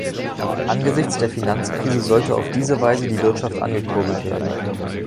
Angesichts der Finanzkrise solle auf diese Weise die Wirtschaft angekurbelt werden.